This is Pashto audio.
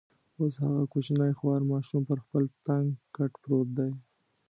اوس هغه کوچنی خوار ماشوم پر خپل تنګ کټ پروت دی.